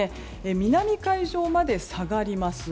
南海上まで下がります。